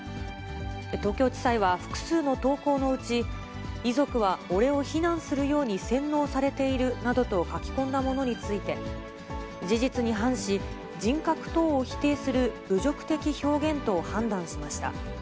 東京地裁は、複数の投稿のうち、遺族は俺を非難するように洗脳されているなどと書き込んだものについて、事実に反し、人格等を否定する侮辱的表現と判断しました。